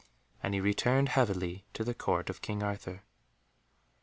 And he returned heavily to the Court of King Arthur.